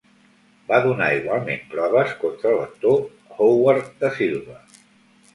Va donar igualment proves contra l'actor Howard Da Silva.